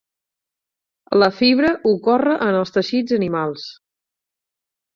La fibra ocorre en els teixits animals.